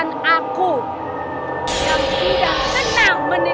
tidak ada yang baik dengan karyawan ini